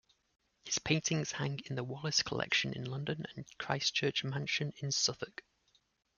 His paintings hang in the Wallace Collection in London and Christchurch Mansion in Suffolk.